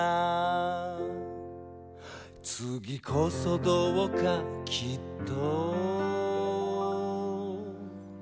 「次こそどうかきっと」